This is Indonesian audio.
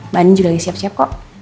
mbak ani juga udah siap siap kok